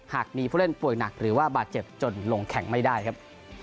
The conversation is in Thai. หากมีผู้เล่นป่วยหนักหรือว่าบาดเจ็บจนลงแข่งไม่ได้ครับ